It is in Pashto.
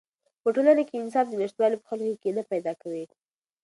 په ټولنه کې د انصاف نشتوالی په خلکو کې کینه پیدا کوي.